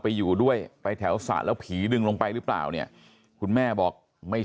อยู่ด้วยไปแถวสระแล้วผีดึงลงไปหรือเปล่าเนี่ยคุณแม่บอกไม่